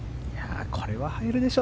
これは入るでしょ